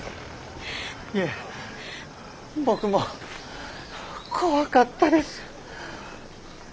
いえ僕も怖かったです。